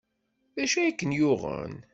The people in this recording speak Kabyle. D acu ay ken-yuɣen?